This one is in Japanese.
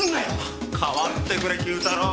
代わってくれＱ太郎。